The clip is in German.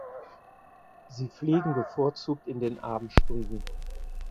Sie fliegen bevorzugt in den Abendstunden.